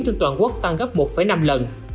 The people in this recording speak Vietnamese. trên toàn quốc tăng gấp một năm lần